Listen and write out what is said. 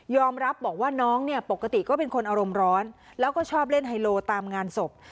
รับบอกว่าน้องเนี่ยปกติก็เป็นคนอารมณ์ร้อนแล้วก็ชอบเล่นไฮโลตามงานศพ